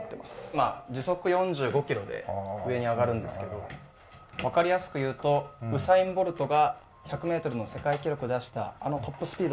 まあ時速４５キロで上に上がるんですけどわかりやすく言うとウサイン・ボルトが１００メートルの世界記録を出したあのトップスピードで。